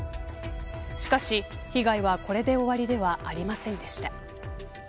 しかし、被害はこれで終わりではありませんでした。